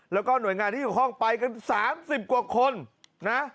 แล้วก็หน่วยงานที่เกี่ยวข้องไปกัน๓๐กว่าคนนะ